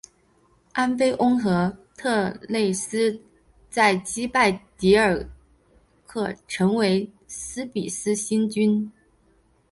安菲翁和仄忒斯在击败狄耳刻成为底比斯新君。